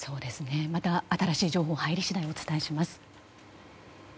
また新しい情報が入り次第お伝えします。